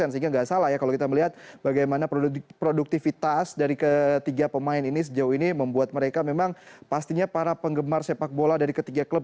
sehingga nggak salah ya kalau kita melihat bagaimana produktivitas dari ketiga pemain ini sejauh ini membuat mereka memang pastinya para penggemar sepak bola dari ketiga klub